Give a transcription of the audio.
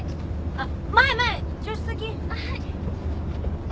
あっ。